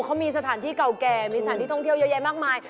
เขามีสถานที่เก่าแก่มีสถานที่ท่องเที่ยวเยอะแยะมากมาย